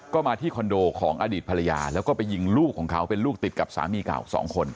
ก็มาที่คอนโดของอดีตภรรยาแล้วก็ไปยิงลูกของเขาเป็นลูกติดกับสามีเก่าสองคน